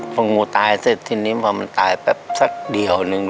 พองูตายเสร็จทีนี้พอมันตายแป๊บสักเดียวนึง